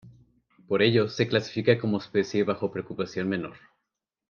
Por ello, se clasifica como especie bajo preocupación menor.